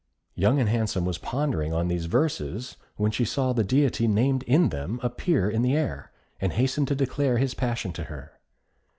Young and Handsome was pondering on these verses, when she saw the Deity named in them appear in the air, and hasten to declare his passion to her.